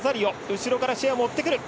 後ろからシェアも追ってくる。